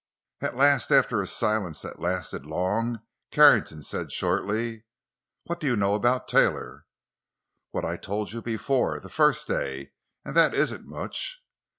At last, after a silence that lasted long, Carrington said, shortly: "What do you know about Taylor?" "What I told you before—the first day. And that isn't much."